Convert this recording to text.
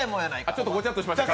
ちょっとゴチャッとしました。